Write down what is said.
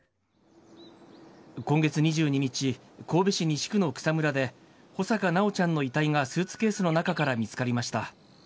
今月２２日、神戸市西区の草むらで、穂坂修ちゃんの遺体がスーツケースの中から見つかりました。